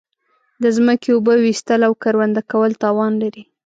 د زمکی اوبه ویستل او کرونده کول تاوان لری